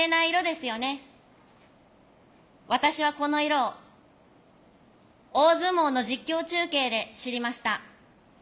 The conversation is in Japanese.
私はこの色を大相撲の実況中継で知りました。